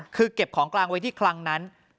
คือเก็บของกลางไว้ที่คลังนั้น